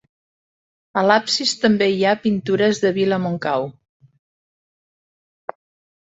A l'absis també hi ha pintures de Vila Montcau.